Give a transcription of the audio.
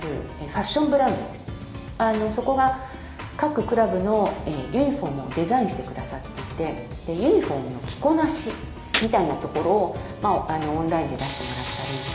そこが各クラブのユニホームをデザインしてくださっていてユニホームの着こなしみたいなところをオンラインで出してもらったり。